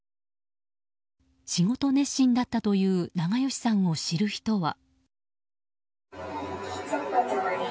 仕事熱心だったという長葭さんを知る人は。